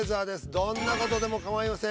どんなことでも構いません。